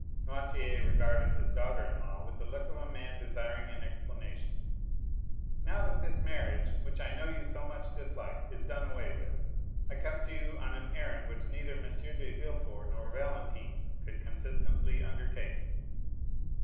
Noirtier regarded his daughter in law with the look of a man desiring an explanation. "Now that this marriage, which I know you so much disliked, is done away with, I come to you on an errand which neither M. de Villefort nor Valentine could consistently undertake."